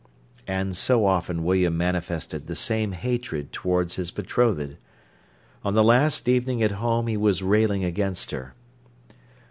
And so often William manifested the same hatred towards his betrothed. On the last evening at home he was railing against her.